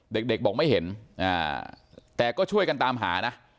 เด็กบอกไม่เห็นแต่ก็ช่วยกันตามหานะ